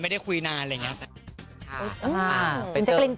ไม่ได้คุยนานอะไรอย่างนี้